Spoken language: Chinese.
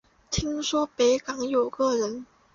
听说北港有个人